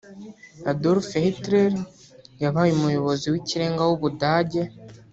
Adolf Hitler yabaye umuyobozi w’ikirenga w’u Budage